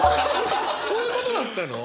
そういうことだったの？